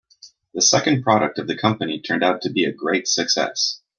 The second product of the company turned out to be a great success.